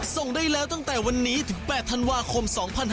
ส่งได้แล้วตั้งแต่วันนี้ถึง๘ธันวาคม๒๕๕๙